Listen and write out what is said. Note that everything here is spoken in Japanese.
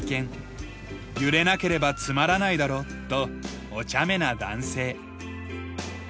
「揺れなければつまらないだろ」とおちゃめな男性。